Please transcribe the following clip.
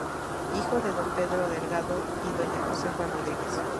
Hijo de don Pedro Delgado y doña Josefa Rodríguez.